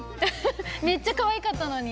めっちゃかわいかったのに。